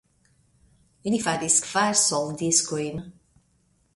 Li faris kvar soldiskojn.